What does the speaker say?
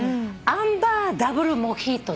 アンバーダブルモヒート。